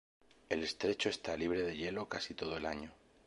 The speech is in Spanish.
El estrecho está libre de hielo casi todo el año.